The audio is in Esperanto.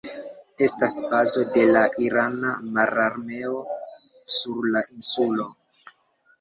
Estas bazo de la irana mararmeo sur la insulo.